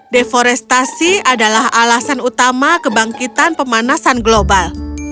deforestasi adalah alasan utama kebangkitan pemanasan global